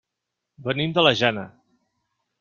Venim de la Jana.